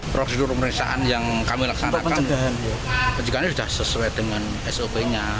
proyeksi pemeriksaan yang kami laksanakan penjagaannya sudah sesuai dengan sob nya